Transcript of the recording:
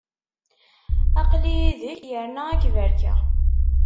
Aql-i yid-k, yerna ad k-barkeɣ.